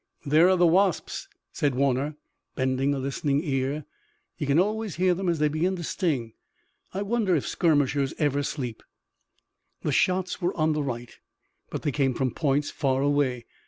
"There are the wasps!" said Warner, bending a listening ear. "You can always hear them as they begin to sting. I wonder if skirmishers ever sleep?" The shots were on the right, but they came from points far away.